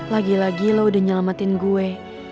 lagi lagi lo udah nyelamatin gue